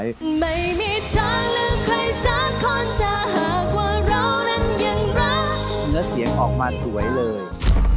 แล้วเสียงออกมาสวยเลย